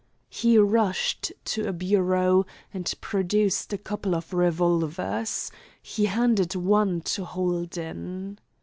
He rushed to a bureau and produced a couple of revolvers. He handed one to Holden.